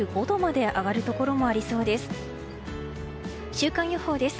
週間予報です。